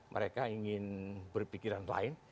mereka ingin berpikiran lain